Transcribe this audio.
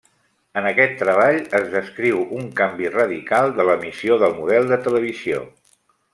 En aquest treball es descriu un canvi radical de l'emissió del model de televisió.